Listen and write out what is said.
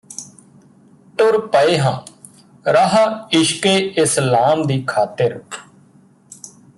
ਟੁਰ ਪਏ ਹਾਂ ਰਾਹ ਇਸ਼ਕੇ ਇਸਲਾਮ ਦੀ ਖ਼ਾਤਿਰ